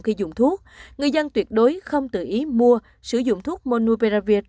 khi dùng thuốc người dân tuyệt đối không tự ý mua sử dụng thuốc monuperaviet